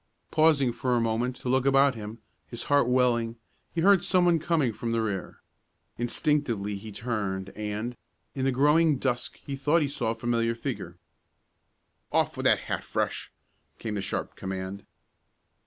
Pausing for a moment to look about him, his heart welling, he heard someone coming from the rear. Instinctively he turned, and in the growing dusk he thought he saw a familiar figure. "Off with that hat, Fresh.!" came the sharp command.